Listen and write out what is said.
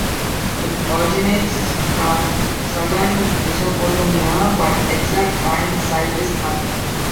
It originates from southern Mesopotamia, but the exact find-site is unknown.